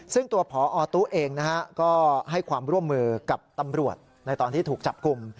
ซึ่งตัวพอตู้เองนะฮะก็ให้ความร่วมมือกับตำรวจในตอนที่ถูกจับกลุ่ม